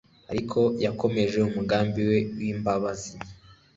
ariko yakomeje umugambi we w'imbabazi.